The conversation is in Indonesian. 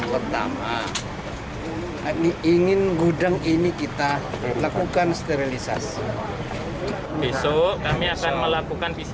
karyawan yang reaktif covid sembilan belas diminta untuk melakukan isolasi